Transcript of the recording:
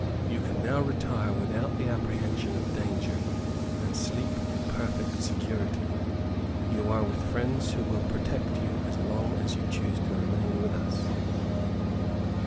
You can now retire without the apprehension of danger, and sleep in perfect security. You are with friends who will protect you as long as you choose to remain with us."